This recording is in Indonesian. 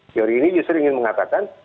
teori ini justru ingin mengatakan